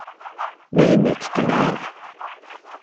Ma d nekk, qenεeɣ.